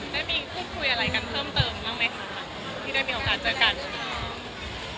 ได้มีพูดคุยอะไรกันเพิ่มเติมบ้างไหมคะที่ได้มีโอกาสเจอกัน